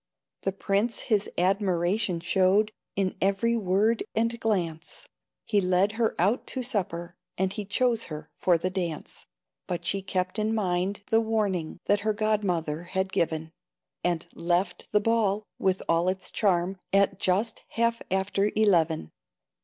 The Prince his admiration showed In every word and glance; He led her out to supper, And he chose her for the dance; But she kept in mind the warning That her Godmother had given, And left the ball, with all its charm. At just half after eleven.